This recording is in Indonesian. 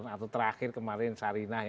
atau terakhir kemarin sarinah